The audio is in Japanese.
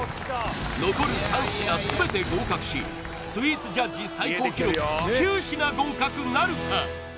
残る３品全て合格しスイーツジャッジ最高記録９品合格なるか？